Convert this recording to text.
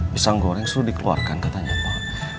pisang goreng suruh dikeluarkan katanya pak